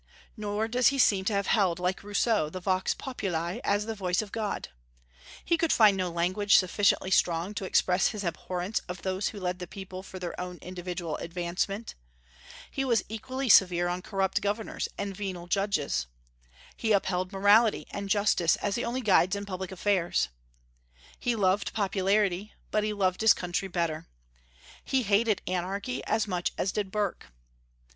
Nor does he seem to have held, like Rousseau, the vox populi as the voice of God. He could find no language sufficiently strong to express his abhorrence of those who led the people for their own individual advancement. He was equally severe on corrupt governors and venal judges. He upheld morality and justice as the only guides in public affairs. He loved popularity, but he loved his country better. He hated anarchy as much as did Burke.